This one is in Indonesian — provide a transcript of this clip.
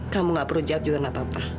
kamu nggak perlu jawab juga nggak apa apa